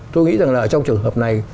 tôi nghĩ rằng là trong trường hợp này